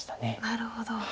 なるほど。